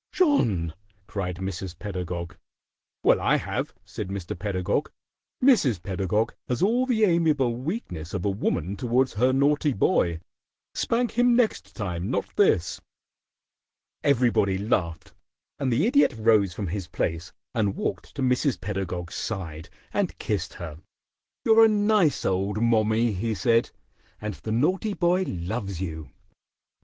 "John!" cried Mrs. Pedagog. "Well, I have," said Mr. Pedagog. "Mrs. Pedagog has all the amiable weakness of a woman towards her naughty boy. Spank him next time, not this." Everybody laughed, and the Idiot rose from his place and walked to Mrs. Pedagog's side and kissed her. "You're a nice old mommie," he said, "and the naughty boy loves you.